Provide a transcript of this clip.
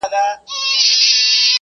هغه څوک چي زدکړه کوي پوهه زياتوي؟!